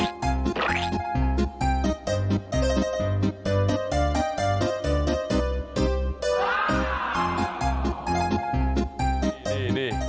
นี่นี่นี่